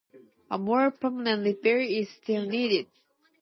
A more permanent repair is still needed.